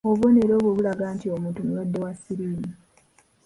Obubonero obwo bulaga nti omuntu mulwadde wa siriimu.